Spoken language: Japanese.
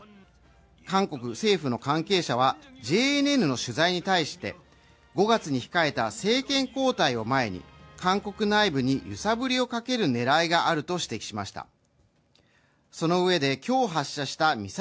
韓国政府の関係者はＪＮＮの取材に対して５月に控えた政権交代を前に韓国内部に揺さぶりをかける狙いがあると指摘しました。